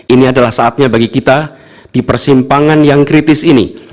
ini adalah saatnya bagi kita di persimpangan yang kritis ini